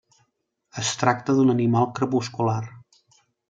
Es tracta d'un animal crepuscular.